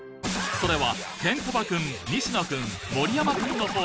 それは。